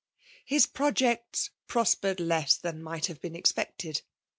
His prqects prospered less than might have been expected.